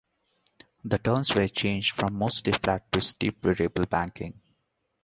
The turns were changed from mostly flat to steep variable banking.